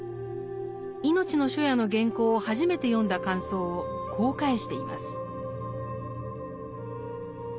「いのちの初夜」の原稿を初めて読んだ感想をこう返しています。